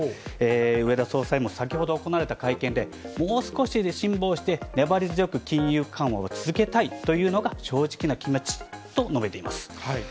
植田総裁も先ほど行われた会見で、もう少し辛抱して、粘り強く金融緩和を続けたいというのが、正直な気持ちと述べています。